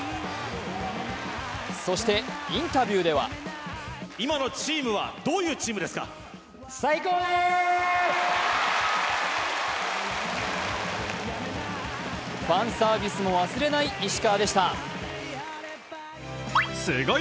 そしてインタビューではファンサービスも忘れない石川でした。